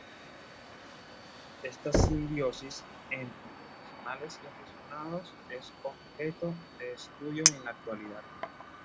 Esta simbiosis entre profesionales y aficionados es objeto de estudio en la actualidad.